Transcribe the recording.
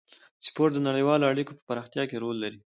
سپورت د نړیوالو اړیکو په پراختیا کې رول لري.